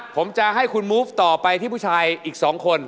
ผมจะให้คุณมูฟต่อไปที่ผู้ชายอีก๒คน